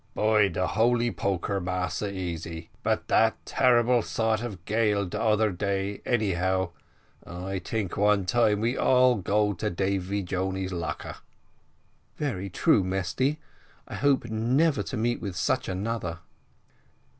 "By de holy poker, Massa Easy, but that terrible sort of gale the other day anyhow I tink one time we all go to Davy Joney's lacker." "Very true, Mesty; I hope never to meet with such another."